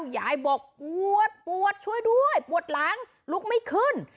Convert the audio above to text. ยายบอกปวดปวดช่วยด้วยปวดหลังลุกไม่ขึ้น